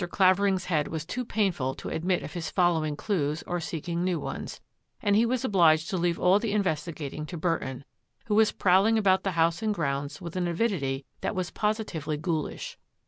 Clavering's head was too painful to admit of his following clues or seeking new ones, and he was obliged to leave all investigating to Burton, who was prowling about the house and grounds with an avidity that was positively ghoulish.